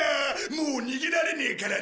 もう逃げられねえからな。